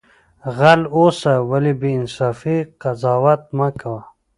غل اوسه ولی بی انصافی قضاوت مکوه